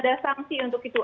ada sanksi untuk itu